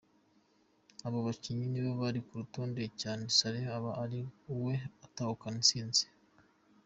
Abo bakinyi ni bo bari ku rutonde nyene Salah aba ari we atahukana intsinzi.